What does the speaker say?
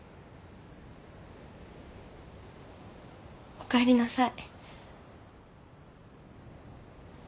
おかえりなさい。